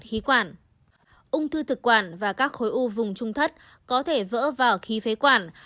khí quản ung thư thực quản và các khối u vùng trung thất có thể vỡ vào khí phế quản